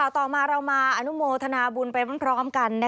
ต่อมาเรามาอนุโมทนาบุญไปพร้อมกัน